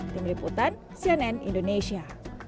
tim liputan cnn indonesia